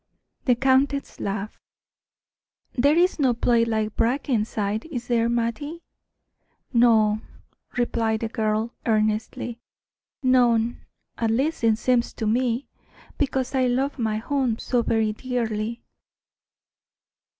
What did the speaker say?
The countess laughed. "There is no place like Brackenside, is there, Mattie?" "No," replied the girl, earnestly, "none at least it seems so to me, because I love my home so very dearly."